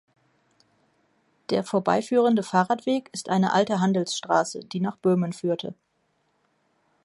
Der vorbeiführende Fahrradweg ist eine alte Handelsstraße, die nach Böhmen führte.